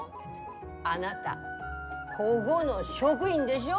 あなた、こごの職員でしょ？